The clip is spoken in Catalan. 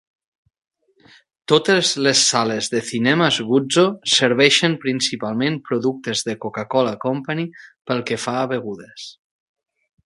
Totes les sales de Cinemas Guzzo serveixen principalment productes de Coca-Cola Company pel que fa a begudes.